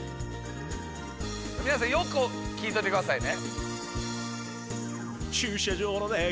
皆さんよく聴いといてくださいね。